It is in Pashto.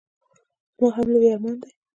زما هم لوی ارمان دی.